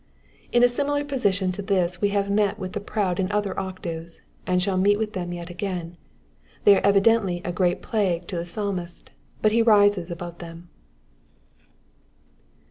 In a similar position to this we have met with thQ proud in other octaves, and shall meet them yet again. They are evidently a great plague to the Psalmist, but he rises above them.